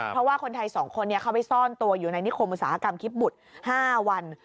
เพราะว่าคนไทย๒คนนี้เขาไปซ่อนตัวอยู่ในนิคมอุตสาหกรรมคิปบุตร๕วัน